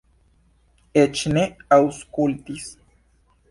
Eĉ ne aŭskultis.